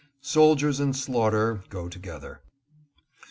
Soldiers and slaughter go together.